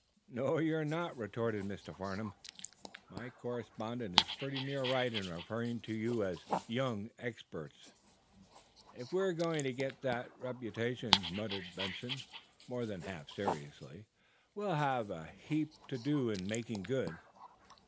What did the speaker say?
"No, you're not," retorted Mr. Farnum. "My correspondent is pretty near right in referring to you as young experts." "If we're going to get that reputation," muttered Benson, more than half seriously, "we'll have a heap to do in 'making good.'"